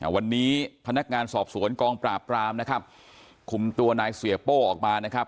วันนี้พนักงานสอบสวนกองปราบรามคุมตัวนายเสียโป้ออกมา